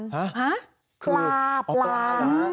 ฮะคือเอาปลาร้าปลาปลา